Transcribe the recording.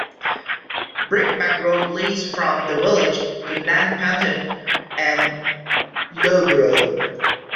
Breakback Road leads from the village to Nanpantan and Loughborough.